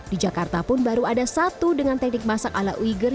di jakarta pun baru ada satu dengan teknik masak ala uighur